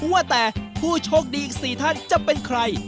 ว่าแต่ผู้โชคดีอีก๔ท่านจะเป็นใคร